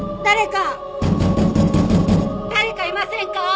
誰かいませんか？